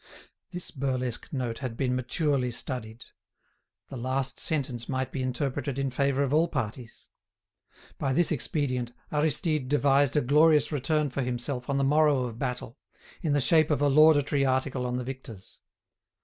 This burlesque note had been maturely studied. The last sentence might be interpreted in favour of all parties. By this expedient, Aristide devised a glorious return for himself on the morrow of battle, in the shape of a laudatory article on the victors.